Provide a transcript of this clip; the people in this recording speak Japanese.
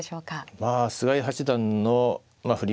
まあ菅井八段の振り